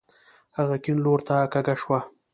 هغه کيڼ لورته کږه شوه.